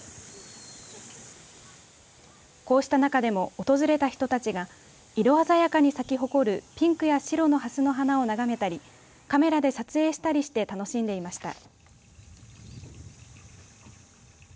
こうした中でも訪れた人たちが色鮮やかに咲き誇るピンクや白のハスの花を眺めたりカメラで撮影したりして楽しんでいました。